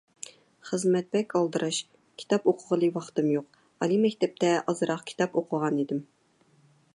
خىزمەت بەك ئالدىراش، كىتاب ئوقۇغىلى ۋاقتىم يوق، ئالىي مەكتەپتە ئازراق كىتاب ئوقۇغانىدىم.